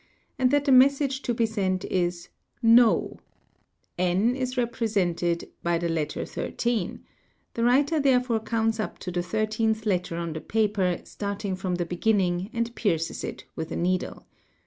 and that the message to be sent is "no", n is represented by the ~ number 13, the writer therefore counts up to the 13th letter on the paper | starting from the beginning, and pierces it with a needle.